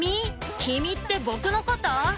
キミって僕のこと？」